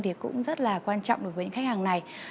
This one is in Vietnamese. thì cũng rất là quan trọng đối với những khách hàng này